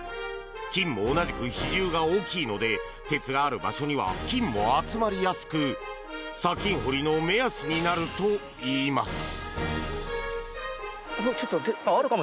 金も同じく比重が大きいので鉄がある場所には金も集まりやすく砂金掘りの目安になるといいます。